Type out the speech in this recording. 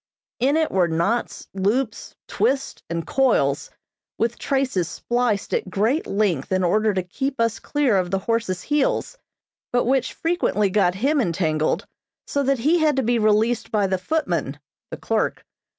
In it were knots, loops, twists, and coils, with traces spliced at great length in order to keep us clear of the horse's heels, but which frequently got him entangled, so that he had to be released by the footman (the clerk).